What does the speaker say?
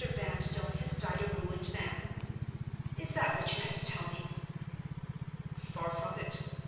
Vanstone has died a ruined man—is that what you had to tell me?" "Far from it.